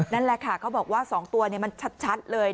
นั่นแหละค่ะเขาบอกว่า๒ตัวมันชัดเลย